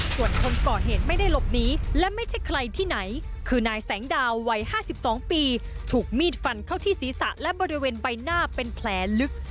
ส่วนคนก่อเหตุไม่ได้หลบหนีและไม่ใช่ใครที่ไหนคือนายแสงดาววัย๕๒ปีถูกมีดฟันเข้าที่ศีรษะและบริเวณใบหน้าเป็นแผลลึก